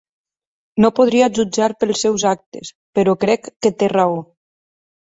No podria jutjar pels seus actes, però crec que té raó.